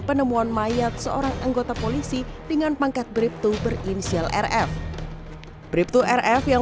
penemuan mayat seorang anggota polisi dengan pangkat brieftoe berinisial rf brieftoe rf yang